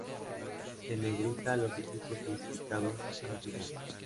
En negrita los equipos clasificados a la final.